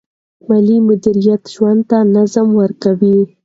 مالي مدیریت ژوند ته نظم ورکوي.